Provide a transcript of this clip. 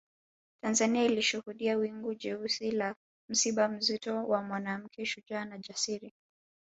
Tanzania ilishuhudia wingu jeusi la msiba mzito wa Mwanamke shujaa na jasiri